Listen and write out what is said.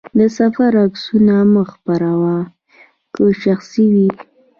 د سفر عکسونه مه خپره وه، که شخصي وي.